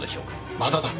まだだ。